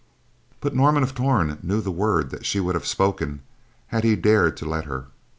But Norman of Torn knew the word that she would have spoken had he dared to let her.